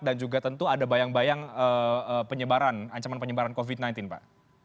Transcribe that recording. juga tentu ada bayang bayang penyebaran ancaman penyebaran covid sembilan belas pak